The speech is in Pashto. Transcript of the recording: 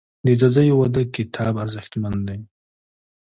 د ځاځیو واده کتاب ارزښتمن دی.